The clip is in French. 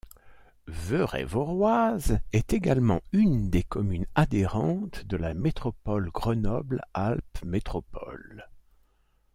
Veurey-Voroize est également une des communes adhérentes de la métropole Grenoble-Alpes Métropole.